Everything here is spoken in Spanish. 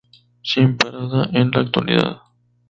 Sin parada en la actualidad.